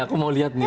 aku mau lihat nih